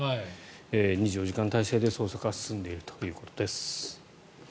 ２４時間態勢で、捜索は進んでいるということです。